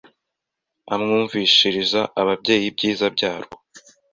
amwumvishiriza ababyeyi ibyiza bya rwo